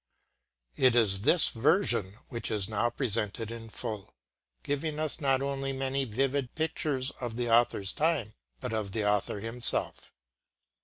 It is this version which is now presented in full, giving us not only many vivid pictures of the author’s time, but of the author himself.